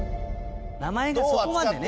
名前がそこまでね。